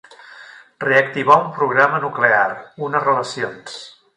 Reactivar un programa nuclear, unes relacions.